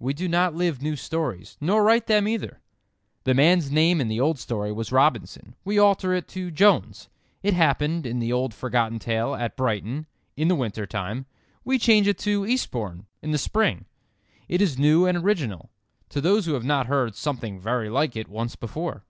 We do not live new stories—nor write them either. The man's name in the old story was Robinson, we alter it to Jones. It happened, in the old forgotten tale, at Brighton, in the winter time; we change it to Eastbourne, in the spring. It is new and original—to those who have not heard "something very like it" once before.